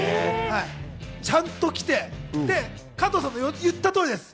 ちゃんと来て、加藤さんの言った通りです。